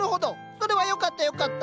それはよかったよかった。